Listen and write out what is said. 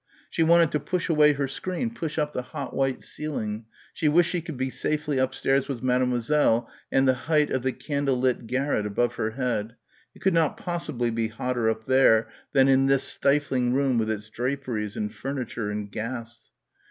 She wanted to push away her screen, push up the hot white ceiling. She wished she could be safely upstairs with Mademoiselle and the height of the candle lit garret above her head. It could not possibly be hotter up there than in this stifling room with its draperies and furniture and gas.